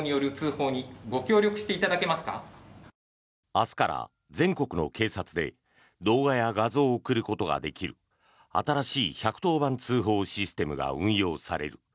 明日から全国の警察で動画や画像を送ることができる新しい１１０番通報システムが運用される。